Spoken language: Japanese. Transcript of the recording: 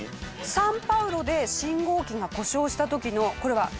サンパウロで信号機が故障した時のこれは画像。